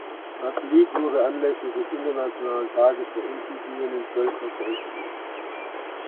Das Lied wurde anlässlich des Internationalen Tages der indigenen Völker veröffentlicht.